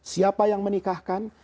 siapa yang menikahkan